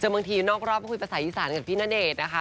เจอบางทีนอกรอบเข้าพูดภาษาอีสานกับพี่ณเดชน์นะคะ